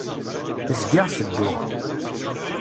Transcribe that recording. Zgiɣ tedduɣ.